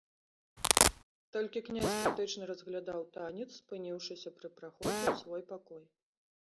Толькі князь крытычна разглядаў танец, спыніўшыся пры праходзе ў свой пакой.